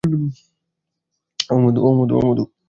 ওঁ মধু, ওঁ মধু, ওঁ মধু।